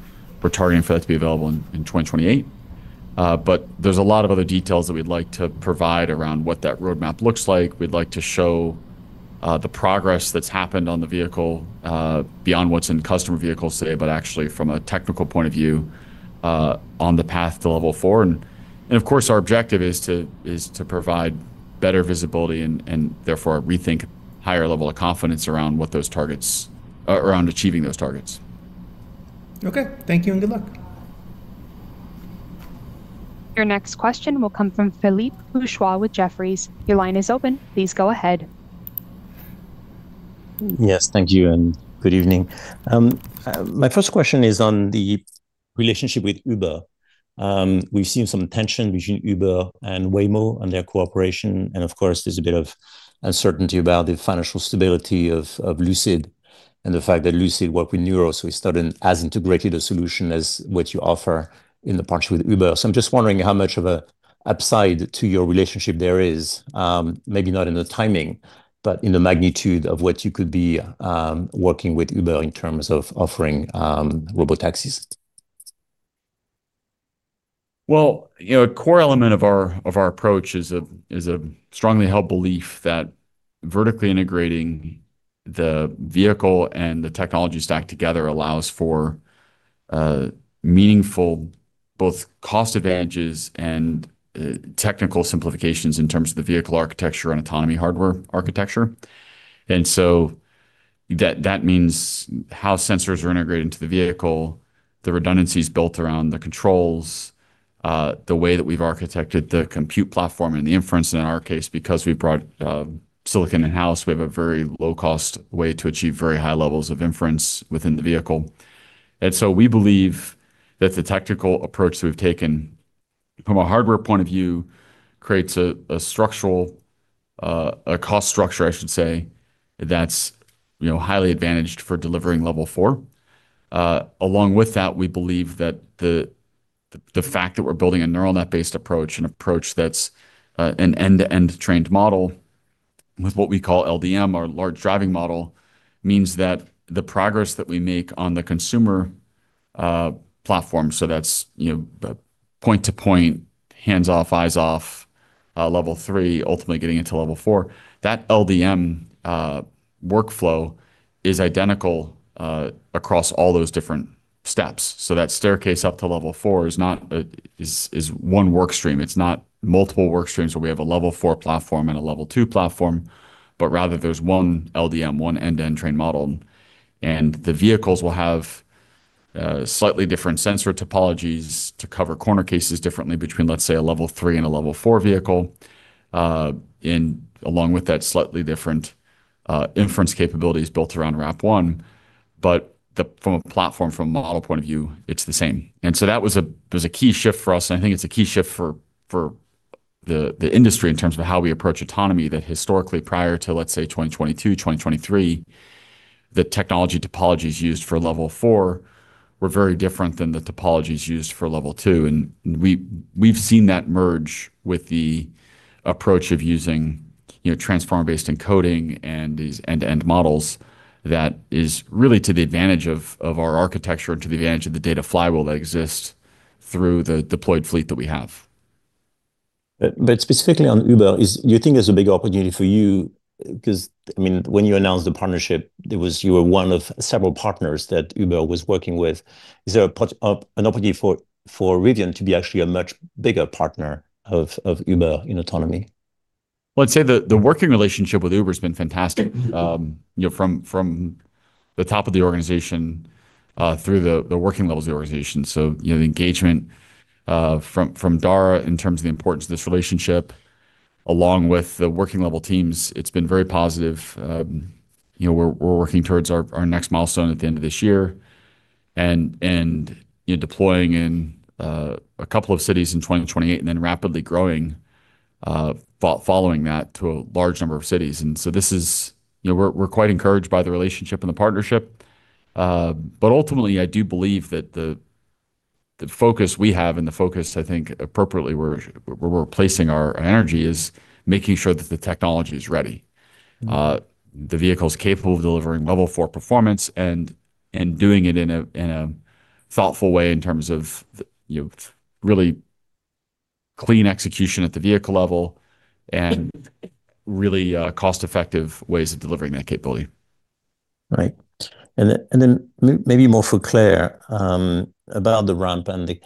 we're targeting for that to be available in 2028. There's a lot of other details that we'd like to provide around what that roadmap looks like. We'd like to show the progress that's happened on the vehicle, beyond what's in customer vehicles today, but actually from a technical point of view, on the path to Level 4. Of course, our objective is to provide better visibility and therefore rethink higher level of confidence around achieving those targets. Okay. Thank you and good luck. Your next question will come from Philippe Houchois with Jefferies. Your line is open. Please go ahead. Yes. Thank you and good evening. My first question is on the relationship with Uber. We've seen some tension between Uber and Waymo and their cooperation. Of course, there's a bit of uncertainty about the financial stability of Lucid and the fact that Lucid worked with Nuro, so it's not as integrated a solution as what you offer in the partnership with Uber. I'm just wondering how much of a upside to your relationship there is, maybe not in the timing, but in the magnitude of what you could be working with Uber in terms of offering robotaxis. Well, a core element of our approach is a strongly held belief that vertically integrating the vehicle and the technology stack together allows for meaningful, both cost advantages and technical simplifications in terms of the vehicle architecture and autonomy hardware architecture. That means how sensors are integrated into the vehicle, the redundancies built around the controls, the way that we've architected the compute platform and the inference. In our case, because we've brought silicon in-house, we have a very low-cost way to achieve very high levels of inference within the vehicle. We believe that the technical approach that we've taken from a hardware point of view, creates a cost structure, I should say, that's highly advantaged for delivering Level 4. Along with that, we believe that the fact that we're building a neural net-based approach, an approach that's an end-to-end trained model with what we call LDM, or large driving model, means that the progress that we make on the consumer platform, so that's point-to-point, hands-off, eyes-off, Level 3, ultimately getting into Level 4. That LDM workflow is identical across all those different steps. That staircase up to Level 4 is one work stream. It's not multiple work streams where we have Level 4 platform and a Level 2 platform, but rather, there's one LDM, one end-to-end trained model. The vehicles will have slightly different sensor topologies to cover corner cases differently between, let's say, Level 3 and Level 4 vehicle, along with that slightly different inference capabilities built around RAP1. From a platform, from a model point of view, it's the same. That was a key shift for us, and I think it's a key shift for the industry in terms of how we approach autonomy, that historically prior to, let's say, 2022, 2023, the technology topologies used for Level 4 were very different than the topologies used for Level 2. We've seen that merge with the approach of using transformer-based encoding and these end-to-end models that is really to the advantage of our architecture and to the advantage of the data flywheel that exists through the deployed fleet that we have. Specifically on Uber, do you think there's a big opportunity for you? Because when you announced the partnership, you were one of several partners that Uber was working with. Is there an opportunity for Rivian to be actually a much bigger partner of Uber in autonomy? Well, I'd say the working relationship with Uber has been fantastic. From the top of the organization, through the working levels of the organization. The engagement from Dara in terms of the importance of this relationship, along with the working-level teams, it's been very positive. We're working towards our next milestone at the end of this year and deploying in a couple of cities in 2028 and then rapidly growing, following that to a large number of cities. We're quite encouraged by the relationship and the partnership. Ultimately, I do believe that the focus we have and the focus, I think, appropriately, where we're placing our energy is making sure that the technology is ready. The vehicle's capable of Level 4 performance and doing it in a thoughtful way in terms of really clean execution at the vehicle level and really cost-effective ways of delivering that capability. Right. Then maybe more for Claire about the ramp and the--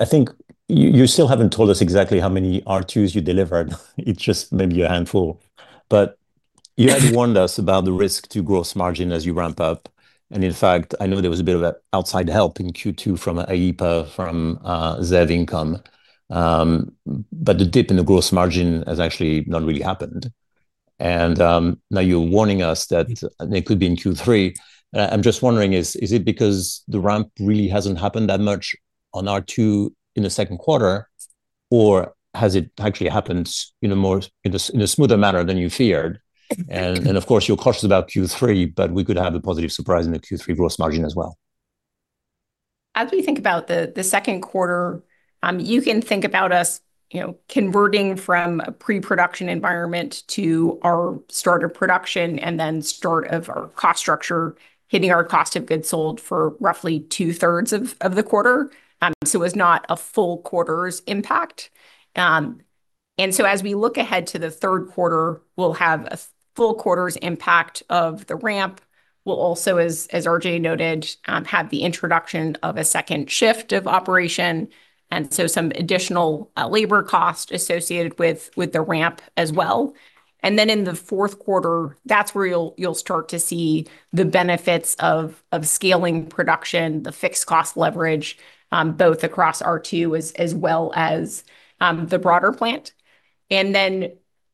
I think you still haven't told us exactly how many R2s you delivered. It's just maybe a handful. You had warned us about the risk to gross margin as you ramp up. In fact, I know there was a bit of outside help in Q2 from IEEPA, from ZEV income. The dip in the gross margin has actually not really happened. Now you're warning us that it could be in Q3. I'm just wondering, is it because the ramp really hasn't happened that much on R2 in the second quarter, or has it actually happened in a smoother manner than you feared? Of course, you're cautious about Q3, but we could have a positive surprise in the Q3 gross margin as well. As we think about the second quarter, you can think about us converting from a pre-production environment to our start of production then start of our cost structure, hitting our cost of goods sold for roughly 2/3 of the quarter. It was not a full quarter's impact. As we look ahead to the third quarter, we'll have a full quarter's impact of the ramp. We'll also, as RJ noted, have the introduction of a second shift of operation, some additional labor cost associated with the ramp as well. In the fourth quarter, that's where you'll start to see the benefits of scaling production, the fixed cost leverage, both across R2 as well as the broader plant.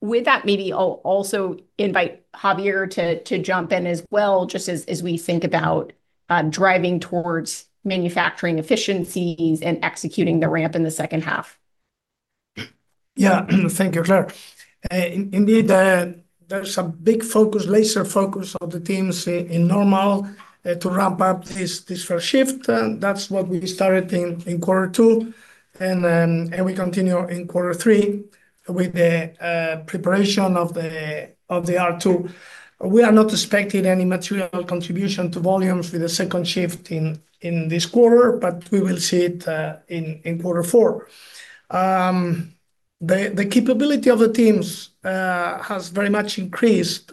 With that, maybe I'll also invite Javier to jump in as well, just as we think about driving towards manufacturing efficiencies and executing the ramp in the second half. Yeah. Thank you, Claire. Indeed, there's a big focus, laser focus of the teams in Normal to ramp up this first shift, that's what we started in quarter two, we continue in quarter three with the preparation of the R2. We are not expecting any material contribution to volumes with the second shift in this quarter, but we will see it in quarter four. The capability of the teams has very much increased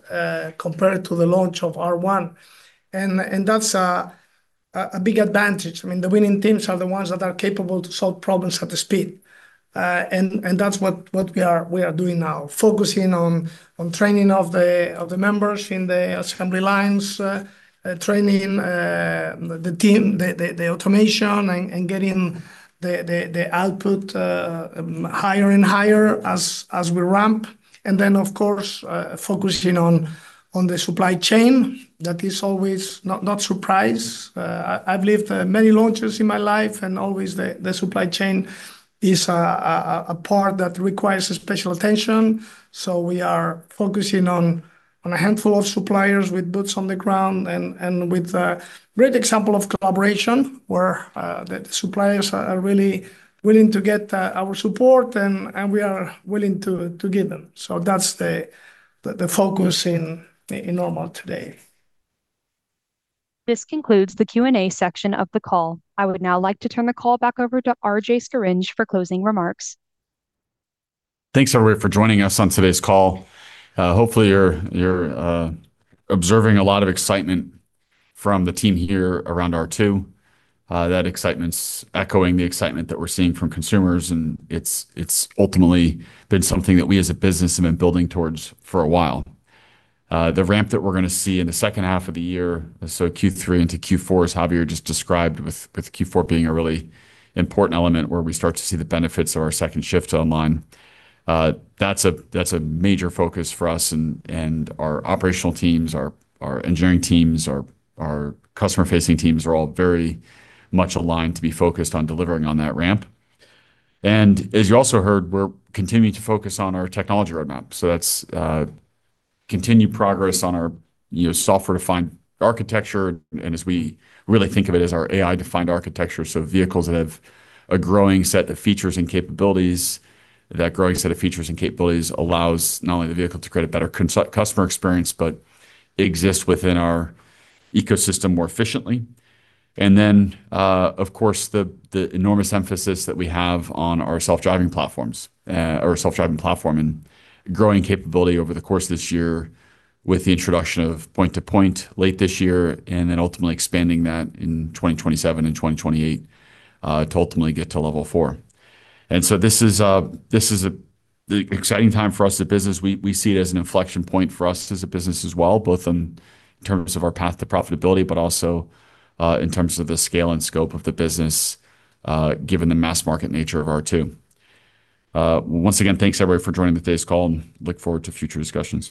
compared to the launch of R1, that's a big advantage. The winning teams are the ones that are capable to solve problems at the speed. That's what we are doing now, focusing on training of the members in the assembly lines, training the team, the automation, getting the output higher and higher as we ramp. Of course, focusing on the supply chain. That is always not a surprise. I've lived many launches in my life, always the supply chain is a part that requires special attention. We are focusing on a handful of suppliers with boots on the ground and with a great example of collaboration where, the suppliers are really willing to get our support and we are willing to give them. That's the focus in Normal today. This concludes the Q and A section of the call. I would now like to turn the call back over to RJ Scaringe for closing remarks. Thanks, everybody, for joining us on today's call. Hopefully, you're observing a lot of excitement from the team here around R2. That excitement's echoing the excitement that we're seeing from consumers, it's ultimately been something that we as a business have been building towards for a while. The ramp that we're going to see in the second half of the year, Q3 into Q4, as Javier just described, with Q4 being a really important element where we start to see the benefits of our second shift to online. That's a major focus for us and our operational teams, our engineering teams, our customer-facing teams are all very much aligned to be focused on delivering on that ramp. As you also heard, we're continuing to focus on our technology roadmap. That's continued progress on our software-defined architecture and as we really think of it, as our AI-defined architecture, vehicles that have a growing set of features and capabilities. That growing set of features and capabilities allows not only the vehicle to create a better customer experience, but exist within our ecosystem more efficiently. Then, of course, the enormous emphasis that we have on our self-driving platforms, or self-driving platform, growing capability over the course of this year with the introduction of point-to-point late this year, then ultimately expanding that in 2027 and 2028, to ultimately get to Level 4. This is an exciting time for us as a business. We see it as an inflection point for us as a business as well, both in terms of our path to profitability, but also in terms of the scale and scope of the business, given the mass market nature of R2. Once again, thanks, everybody, for joining today's call, and look forward to future discussions.